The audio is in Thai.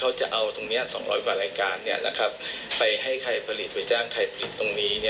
อาจจะมีมากกว่า๑รายแต่ว่าในเมื่อมันจดแจ้งไม่ตรงทั้งหมด